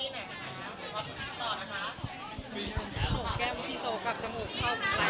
ถ้าถักพูดคุยเหมือนคนทั่วไป